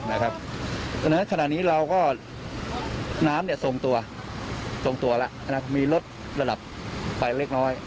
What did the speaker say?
เพราะฉะนั้นขณะนี้น้ำส่งตัวมีลดระดับไปเล็กน้อย